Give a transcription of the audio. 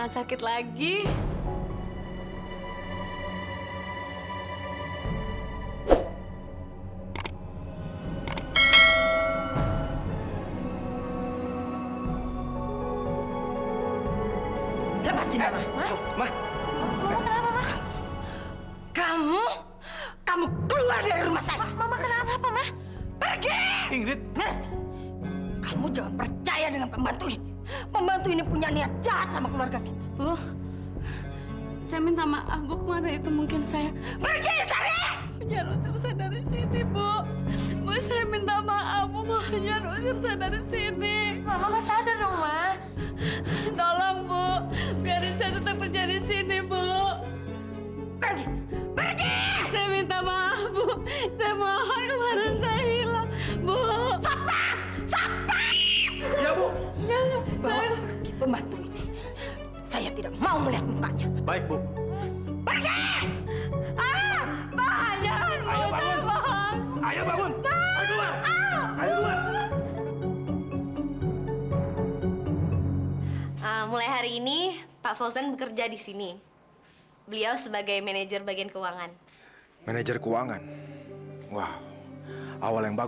sampai jumpa di video selanjutnya